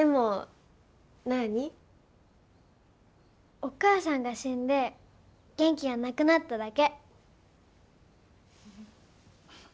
お母さんが死んで元気がなくなっただけ。